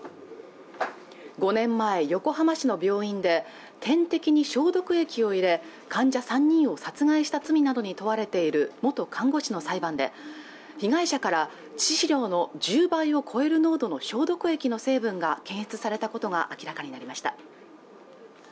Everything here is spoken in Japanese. ５年前、横浜市の病院で点滴に消毒液を入れ患者３人を殺害した罪などに問われている元看護師の裁判で被害者から致死量の１０倍を超える濃度の消毒液の成分が検出されたことが明らかになりました